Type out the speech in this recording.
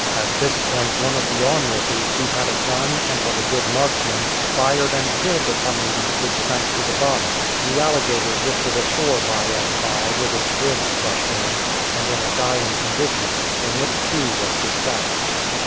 At this point one of the onlookers, who had a gun and was a good marksman, fired and killed the camudi, which sank to the bottom. The alligator drifted ashore by and by, with its ribs crushed in, and in a dying condition, when it too was dispatched.